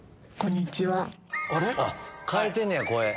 変えてんねや声。